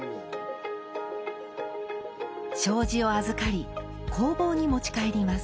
障子を預かり工房に持ち帰ります。